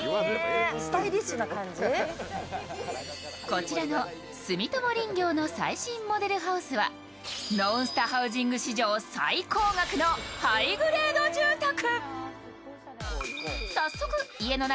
こちらの住友林業の最新モデルハウスは「ノンスタハウジング」史上最高額のハイグレード住宅。